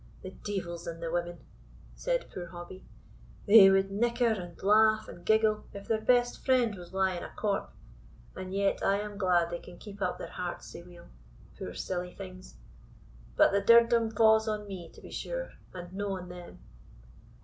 "The deevil's in the women," said poor Hobbie; "they would nicker, and laugh, and giggle, if their best friend was lying a corp and yet I am glad they can keep up their hearts sae weel, poor silly things; but the dirdum fa's on me, to be sure, and no on them."